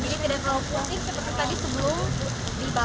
jadi tidak perlu putih seperti tadi sebelum dibakar